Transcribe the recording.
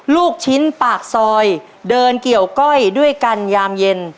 ลูกชิ้นปากซอยเดินเกี่ยวก้อยด้วยกันยามเย็น